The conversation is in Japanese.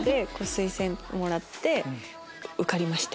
推薦もらって。